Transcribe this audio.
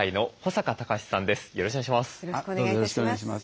よろしくお願いします。